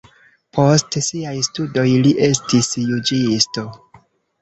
Post siaj studoj li estis juĝisto.